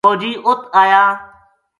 فوجی اُت آیا